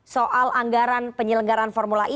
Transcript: soal anggaran penyelenggaran formula e